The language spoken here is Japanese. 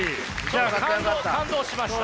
感動感動しました！